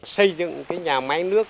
xây dựng cái nhà máy nước